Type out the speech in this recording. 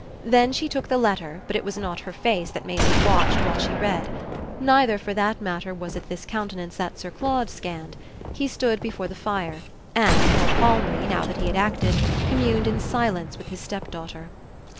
Then she took the letter, but it was not her face that Maisie watched while she read. Neither, for that matter, was it this countenance that Sir Claude scanned: he stood before the fire and, more calmly, now that he had acted, communed in silence with his stepdaughter.